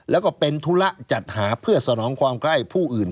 แล้วก็เป็นธุระจัดหาเพื่อสนองความใกล้ผู้อื่น